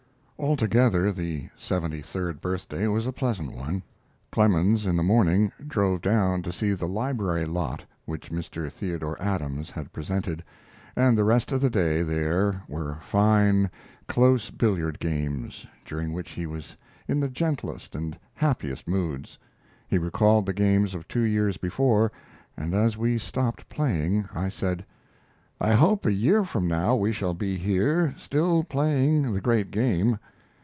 Altogether the seventy third birthday was a pleasant one. Clemens, in the morning, drove down to see the library lot which Mr. Theodore Adams had presented, and the rest of the day there were fine, close billiard games, during which he was in the gentlest and happiest moods. He recalled the games of two years before, and as we stopped playing I said: "I hope a year from now we shall be here, still playing the great game."